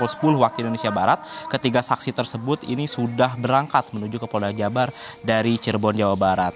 pukul sepuluh waktu indonesia barat ketiga saksi tersebut ini sudah berangkat menuju ke polda jabar dari cirebon jawa barat